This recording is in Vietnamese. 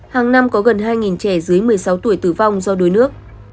hàng năm có gần hai trẻ dưới một mươi sáu tuổi tử vong do đuối nước